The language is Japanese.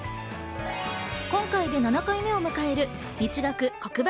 今回で７回目を迎える黒板